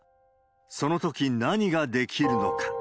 そのとき何ができるのか。